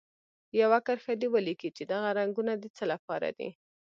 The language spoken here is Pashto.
یوه کرښه دې ولیکي چې دغه رنګونه د څه لپاره دي.